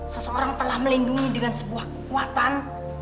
seseorang telah melindungi dengan sebuah kekuatan